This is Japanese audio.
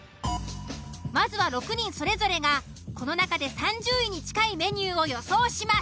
まずは６人それぞれがこの中で３０位に近いメニューを予想します。